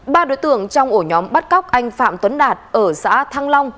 ba đối tượng trong ổ nhóm bắt cóc anh phạm tuấn đạt ở xã thăng long